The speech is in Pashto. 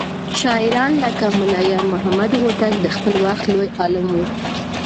شاعران لکه ملا يارمحمد هوتک د خپل وخت لوى عالم و.